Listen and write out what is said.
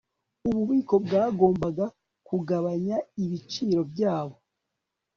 Ububiko bwagombaga kugabanya ibiciro byabo